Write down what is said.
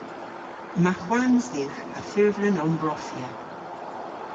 Yma hwans dhywgh a furvlen ombrofya.